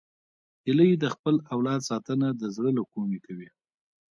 هیلۍ د خپل اولاد ساتنه د زړه له کومي کوي